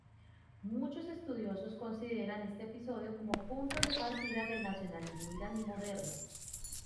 Muchos estudiosos consideran este episodio como punto de partida del nacionalismo iraní moderno.